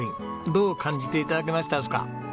どう感じて頂けましたですか？